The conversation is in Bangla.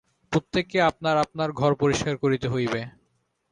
প্রত্যেককে আপনার আপনার ঘর পরিষ্কার করিতে হইবে।